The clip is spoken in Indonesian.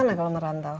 kemana kalau merantau